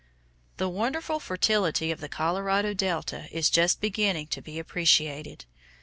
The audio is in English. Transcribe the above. The wonderful fertility of the Colorado delta is just beginning to be appreciated.